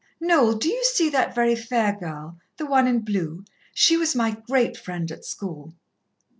"Noel, do you see that very fair girl the one in blue? She was my great friend at school."